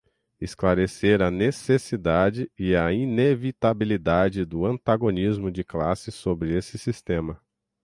esclarecer a necessidade e a inevitabilidade do antagonismo de classe sob esse sistema